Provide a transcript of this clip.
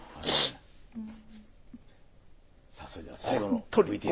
さあそれでは最後のＶＴＲ。